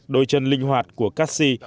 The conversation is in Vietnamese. đôi chân linh hoạt của cassie